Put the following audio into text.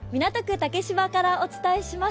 竹芝からお伝えします。